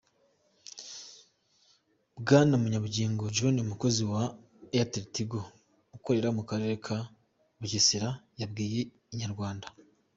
Bwana Munyabungingo John umukozi wa AirtelTigo ukorera mu karere ka Bugesera yabwiye Inyarwanda.